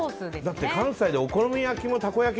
だって関西でお好み焼きもたこ焼き